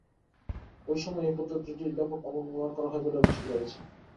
ওই সময় এ পদ্ধতিটির ব্যাপক অপব্যবহার করা হয় বলে অভিযোগ রয়েছে।